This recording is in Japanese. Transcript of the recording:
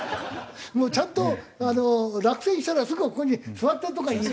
もうちゃんと落選したらすぐここに座ってるとこがいいね。